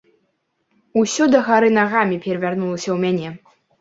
Усё дагары нагамі перавярнулася ў мяне.